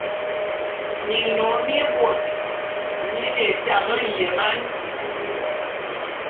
Minnom mibot mine etam enyeman.